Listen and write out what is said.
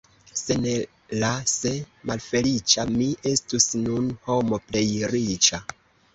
Se ne la "se" malfeliĉa, mi estus nun homo plej riĉa.